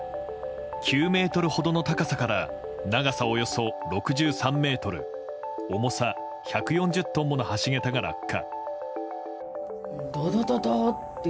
９ｍほどの高さから長さおよそ６３ｍ重さ１４０トンもの橋桁が落下。